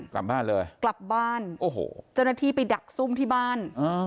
กลับบ้านเลยกลับบ้านโอ้โหเจ้าหน้าที่ไปดักซุ่มที่บ้าน